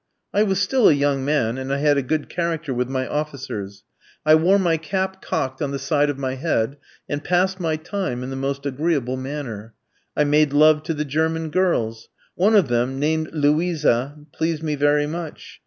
I was still a young man, and I had a good character with my officers. I wore my cap cocked on the side of my head, and passed my time in the most agreeable manner. I made love to the German girls. One of them, named Luisa, pleased me very much.